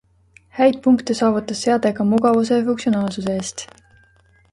Häid punkte saavutas seade ka mugavuse ja funktsionaalsuse eest.